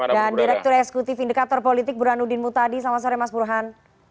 dan direktur esekutif indikator politik burhanudin mutadi selamat sore mas burhan